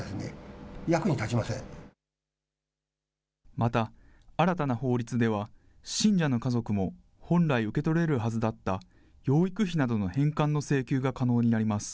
また、新たな法律では、信者の家族も本来受け取れるはずだった養育費などの返還の請求が可能になります。